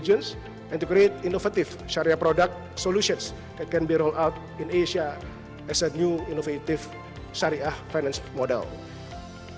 dan untuk menciptakan solusi produk syariah yang inovatif yang dapat diperoleh di asia sebagai model syariah inovatif baru